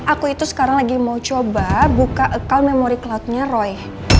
aku itu sekarang lagi mau coba buka account memory cloud nya roy